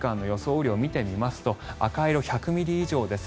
雨量を見てみますと赤色、１００ミリ以上です。